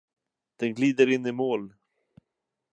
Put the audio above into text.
Den glider in i mål!